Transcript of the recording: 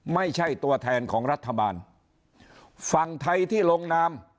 ไม่ใช่ตัวแทนของรัฐบาลฝั่งไทยที่ลงนาม